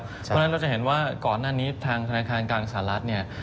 เพราะฉะนั้นเราจะเห็นว่าก่อนหน้านี้ทางธนาคารกลางสหรัฐเนี่ย